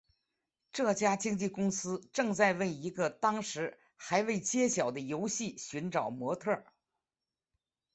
这家经纪公司正在为一个当时还未揭晓的游戏寻找模特儿。